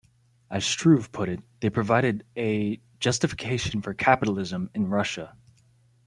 As Struve put it, they provided a "justification for capitalism" in Russia.